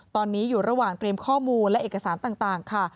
ตอนนี้อยู่ระหว่างเตรียมข้อมูลและเอกสารต่างค่ะ